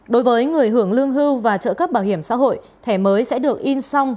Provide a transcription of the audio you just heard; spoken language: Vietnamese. đối với người hưởng lương hưu và trợ cấp bảo hiểm xã hội thẻ mới sẽ được in xong